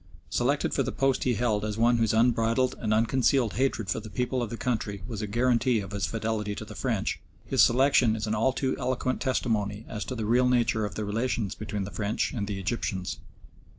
Selected for the post he held as one whose unbridled and unconcealed hatred for the people of the country was a guarantee of his fidelity to the French, his selection is an all too eloquent testimony as to the real nature of the relations between the French and the Egyptians.